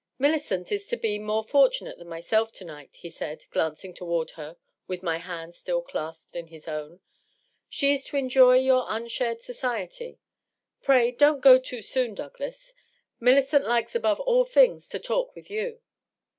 ^^ Millicent is to be more fortunate than myself, to night," he said, glancing toward her with my hand still clasped in his own. " She is to enjoy your unshared society. .. Pray don't go too soon, Douglas. Millicent likes above all things to talk with you."